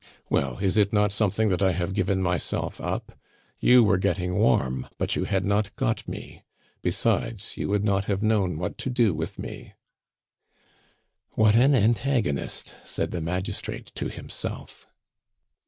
"Well, is it not something that I have given myself up? You were getting warm, but you had not got me; besides, you would not have known what to do with me " "What an antagonist!" said the magistrate to himself.